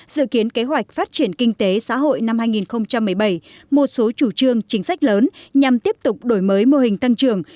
dự kiến kế hoạch phát triển kinh tế xã hội năm hai nghìn một mươi bảy một số chủ trương chính sách lớn nhằm tiếp tục đổi mới mô hình tăng trưởng